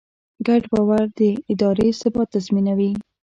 ګډ باور د ادارې ثبات تضمینوي.